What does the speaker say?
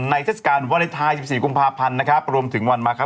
ในเศรษฐการณ์วันทาย๑๔กุมภาพันธ์ประรวมถึงวันมาครับ